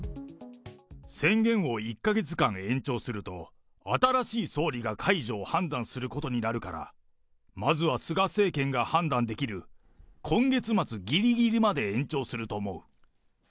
宣言を１か月間延長すると、新しい総理が解除を判断することになるから、まずは菅政権が判断できる今月末ぎりぎりまで延長すると思う。